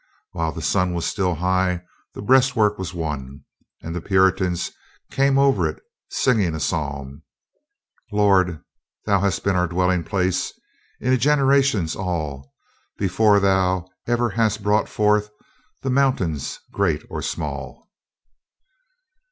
While the sun was still high, the breastwork was won, and the Puritans came over it, singing a psalm : Lord, Thou hast been our dwelling place In generations all. Before Thou ever hadst brought forth The mountains, great or small.